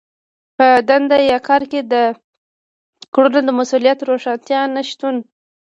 په دنده يا کار کې د کړنو د مسوليت د روښانتيا نشتون.